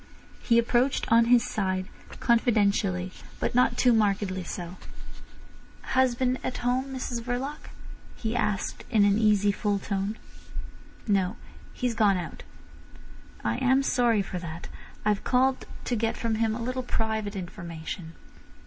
He approached, on his side, confidentially, but not too markedly so. "Husband at home, Mrs Verloc?" he asked in an easy, full tone. "No. He's gone out." "I am sorry for that. I've called to get from him a little private information."